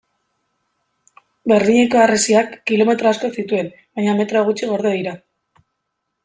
Berlineko harresiak kilometro asko zituen baina metro gutxi gorde dira.